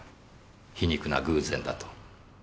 皮肉な偶然だと。